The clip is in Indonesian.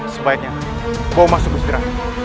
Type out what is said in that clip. sebaiknya bawa masuk beseran